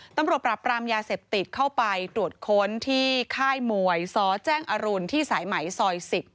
ตำรวจปรับปรามยาเสพติดเข้าไปตรวจค้นที่ค่ายมวยซ้อแจ้งอรุณที่สายไหมซอย๑๐